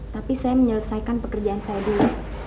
tapi saya menyelesaikan pekerjaan saya dulu